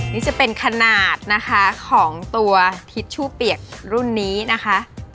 นี่จะเป็นขนาดนะคะของตัวทิชชู่เปียกรุ่นนี้นะคะ